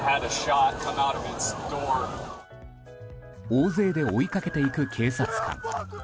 大勢で追いかけていく警察官。